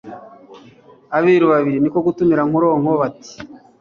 Abiru babiri ni ko gutumira Nkoronko bati :